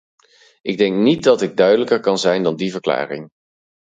Ik denk niet dat ik duidelijker kan zijn dan die verklaring.